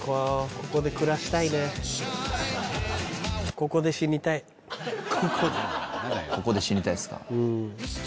ここで死にたいっすか？